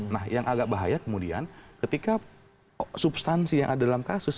nah yang agak bahaya kemudian ketika substansi yang ada dalam kasus